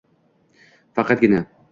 Faqatgina